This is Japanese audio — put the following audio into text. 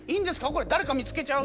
誰か見つけちゃう。